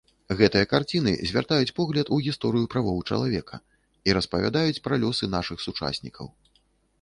Гэтыя карціны звяртаюць погляд у гісторыю правоў чалавека і распавядаюць пра лёсы нашых сучаснікаў.